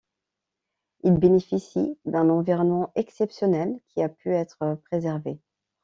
Il bénéficie d’un environnement exceptionnel qui a pu être préservé.